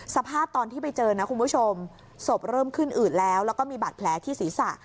สภาพตอนที่ไปเจอนะคุณผู้ชมศพเริ่มขึ้นอืดแล้วแล้วก็มีบาดแผลที่ศีรษะ